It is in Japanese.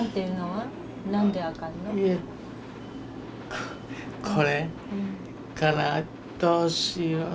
ここれからどうしよう。